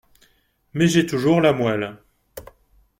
mais j’ai toujours la moelle.